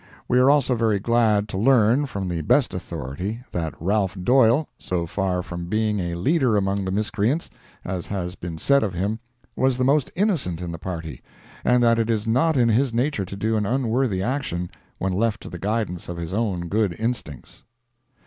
We are also very glad to learn, from the best authority, that Ralph Doyle, so far from being a leader among the miscreants, as has been said of him, was the most innocent in the party, and that it is not in his nature to do an unworthy action when left to the guidance of his own good instincts.